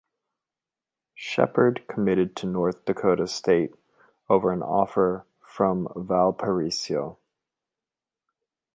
Shepherd committed to North Dakota State over an offer from Valparaiso.